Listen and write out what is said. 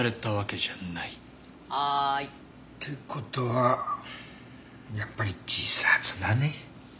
はーい。って事はやっぱり自殺だね。